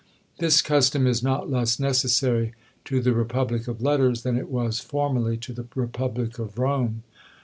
This custom is not less necessary to the republic of letters than it was formerly to the republic of Rome.